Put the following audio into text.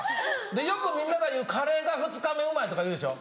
でよくみんなが言うカレーが２日目うまいとか言うでしょ。